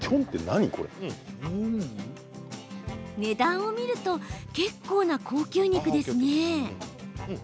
値段を見ると結構な高級肉ですね。